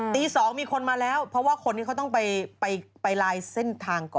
๒มีคนมาแล้วเพราะว่าคนนี้เขาต้องไปลายเส้นทางก่อน